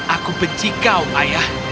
aku benci kau ayah